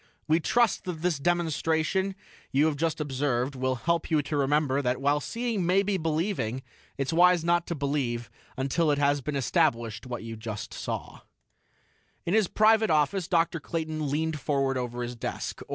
"We trust that this demonstration you have just observed will help you to remember that while seeing may be believing, it's wise not to believe until it has been established just what you saw." In his private office, Dr. Clayton leaned forward over his desk.